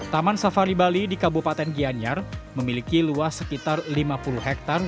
taman safari bali di kabupaten gianyar memiliki luas sekitar lima puluh hektare